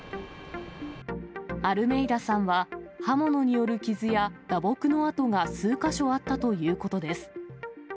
アルメイダさんは、刃物による傷や打撲の痕が数か所あったということです。